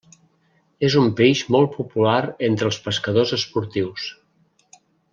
És un peix molt popular entre els pescadors esportius.